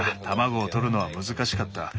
卵をとるのは難しかった。